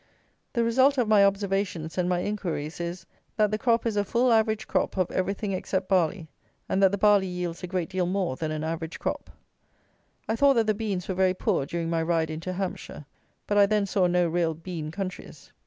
The result of my observations and my inquiries, is, that the crop is a full average crop of everything except barley, and that the barley yields a great deal more than an average crop. I thought that the beans were very poor during my ride into Hampshire; but I then saw no real bean countries.